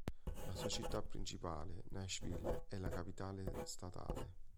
La sua città principale, Nashville, è la capitale statale.